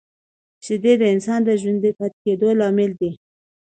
شیدې د انسان د ژوندي پاتې کېدو لامل دي